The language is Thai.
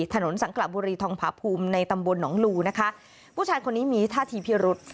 สังกลบุรีทองผาภูมิในตำบลหนองลูนะคะผู้ชายคนนี้มีท่าทีพิรุษ